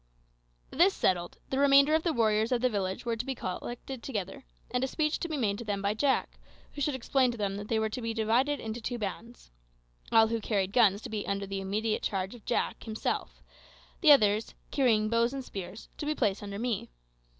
This settled, the remainder of the warriors of the village were to be collected together, and a speech to be made to them by Jack, who should explain to them that they were to be divided into two bands: all who carried guns to be under the immediate charge of Jack himself; the others, carrying bows and spears, to be placed under me.